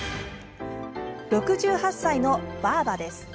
６８歳のばあばです。